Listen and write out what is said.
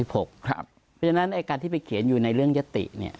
เพราะฉะนั้นการที่ไปเขียนอยู่ในเรื่องยัตติ